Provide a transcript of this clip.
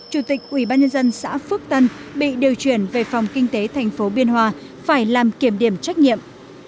chủ tịch ubnd xã phước tân bị điều chuyển về phòng kinh tế thành phố biên hòa phải làm kiểm điểm trách nhiệm